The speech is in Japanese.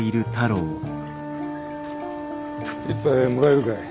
一杯もらえるかい？